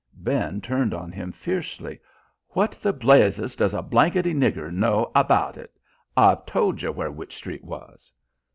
Ben turned on him fiercely. "What the blazes does a blanketty nigger know abaht it? I've told yer where Wych Street was."